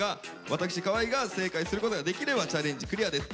私河合が正解することができればチャレンジクリアです。